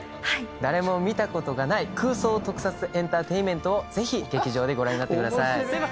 誰も見たことがない空想特撮エンターテイメントをぜひ劇場でご覧になってください。